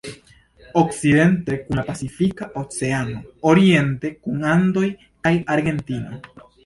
Okcidente kun la Pacifika Oceano, oriente kun Andoj kaj Argentino.